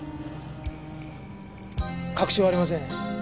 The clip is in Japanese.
確証はありません。